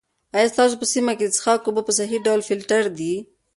آیا ستاسو په سیمه کې د څښاک اوبه په صحي ډول فلټر دي؟